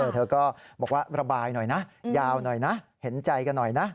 ท่าก็บอกว่าระบายหน่อยยาวหน่อยเห็นใจกันหน่อย